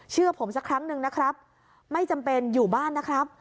เชื่อผมสักครั้งหนึ่งนะครับไม่จำเป็นอยู่บ้านนะครับ